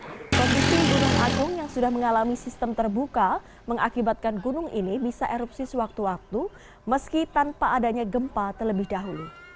kondisi gunung agung yang sudah mengalami sistem terbuka mengakibatkan gunung ini bisa erupsi sewaktu waktu meski tanpa adanya gempa terlebih dahulu